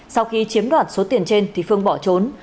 sau khi chiếm đoạt số tiền trên thì phương bỏ trốn